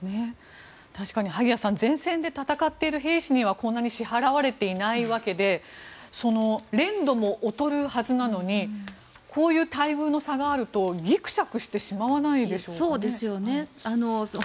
確かに萩谷さん前線で戦っている兵士にはこんなに支払われていないわけで練度も劣るはずなのにこういう待遇の差があるとぎくしゃくしてしまわないでしょうか？